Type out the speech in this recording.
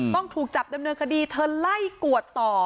ต้องถูกจับดำเนินคดีเธอไล่กวดต่อ